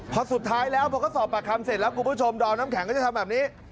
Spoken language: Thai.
พอสุดท้ายแล้วพอเขาสอบปากคำเสร็จแล้วคุณผู้ชมดอมน้ำแข็งก็จะทำแบบนี้